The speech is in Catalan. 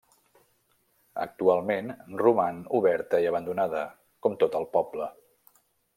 Actualment roman oberta i abandonada, com tot el poble.